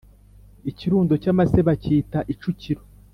Ikirundo cy’amase bacyita icukiro